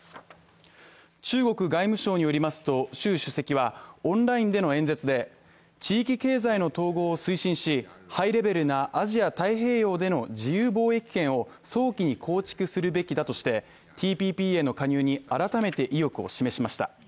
中国外務省によりますと、習主席はオンラインでの演説で、地域経済の統合を推進し、ハイレベルなアジア太平洋での自由貿易圏を早期に構築するべきだとして、ＴＰＰへの加入に改めて意欲を示しました。